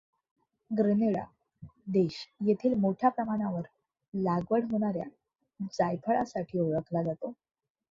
Granada देश येथील मोठ्या प्रमाणावर लागवड होणाऱ्या जायफळासाठी ओळखला जातो.